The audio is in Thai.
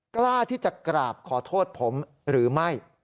กล้าที่จะกราบขอโทษผมหรือไม่